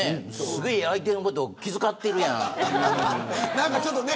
すげえ相手のことを気遣ってるやんって。